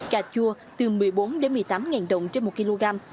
cà chua từ một mươi bốn đồng đến một mươi tám đồng trên một kg